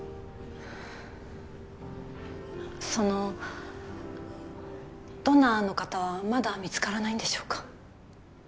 そのドナーの方はまだ見つからないんでしょうか